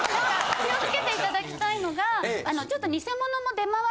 気を付けていただきたいのが。